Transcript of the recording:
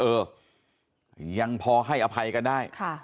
เออยังพอให้อภัยกันได้